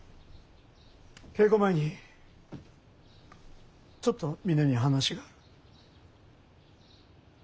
稽古前にちょっとみんなに話がある。